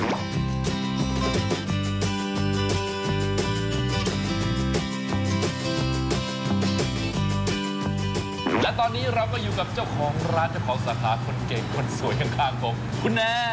และตอนนี้เราก็อยู่กับเจ้าของร้านเจ้าของสาขาคนเก่งคนสวยข้างของคุณแอร์